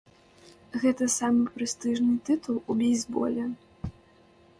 Гэта самы прэстыжны тытул у бейсболе.